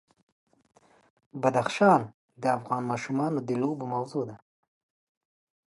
بدخشان د افغان ماشومانو د لوبو موضوع ده.